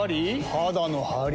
肌のハリ？